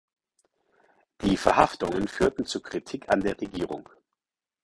Die Verhaftungen führten zu Kritik an der Regierung.